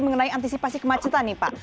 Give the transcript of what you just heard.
mengenai antisipasi kemacetan nih pak